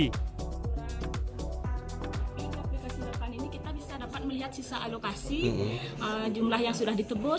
di aplikasi depan ini kita bisa dapat melihat sisa alokasi jumlah yang sudah ditebus